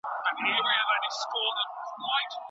ايا ته د ناوړه عرفونو په زيان پوهيږې؟